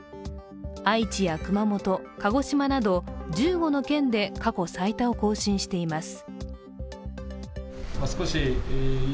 愛知や熊本、鹿児島など１５の県で過去最多を更新しています。